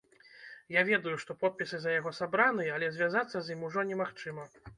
Я ведаю, што подпісы за яго сабраныя, але звязацца з ім ужо немагчыма.